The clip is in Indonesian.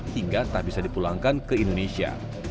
hingga tak bisa dipulangkan ke indonesia